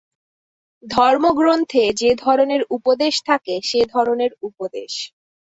ধর্মগ্রন্থে যে-ধরনের উপদেশ থাকে, সে-ধরনের উপদেশ।